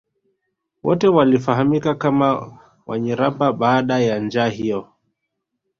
wote walifahamika kama Wanyiramba baada ya njaa hiyo